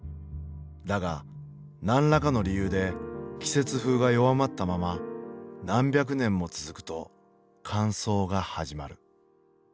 だが何らかの理由で季節風が弱まったまま何百年も続くと乾燥が始まる。